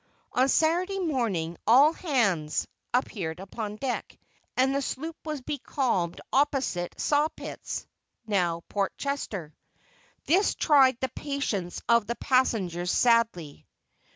On Saturday morning "all hands" appeared upon deck, and the sloop was becalmed opposite Sawpits (now Port Chester)! This tried the patience of the passengers sadly.